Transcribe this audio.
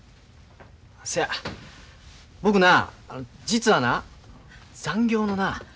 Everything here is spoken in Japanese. そや僕な実はな残業のな。